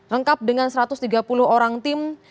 lengkap dengan satu ratus tiga puluh orang tim